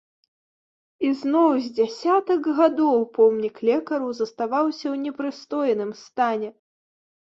І зноў з дзясятак гадоў помнік лекару заставаўся ў непрыстойным стане.